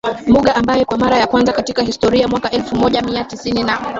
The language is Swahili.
Muga ambaye kwa mara ya kwanza katika historia mwaka elfu moja mia tisini na